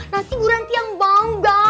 nanti ibu ranti yang bangga